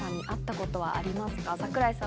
櫻井さん